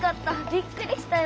びっくりしたよ。